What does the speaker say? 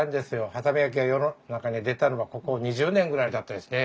波佐見焼が世の中に出たのはここ２０年ぐらいだったですね。